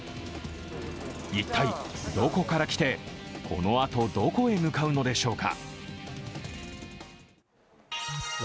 一体、どこから来て、このあとどこへ向かうのでしょうか。